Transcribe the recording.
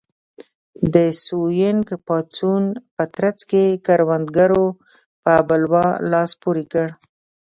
د سوینګ پاڅون په ترڅ کې کروندګرو په بلوا لاس پورې کړ.